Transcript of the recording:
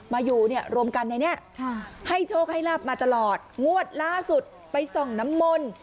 มาอยู่เนี่ยรวมกันในนี้ให้โชคให้ลาบมาตลอดงวดล่าสุดไปส่องน้ำมนต์